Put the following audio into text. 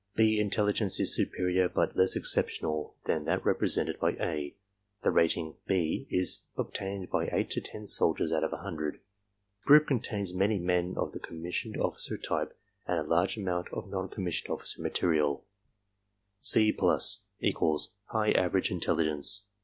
"B" intelligence is superior, but less exceptional than that represented by "A." The rating "B " is obtained by eight to ten soldiers out of a hundred. The group contains many men of the commissioned officer type and a large aippunt Qf wn cgmmi^sioned officer material. METHODS AND RESULTS 23 C += High average intelligence.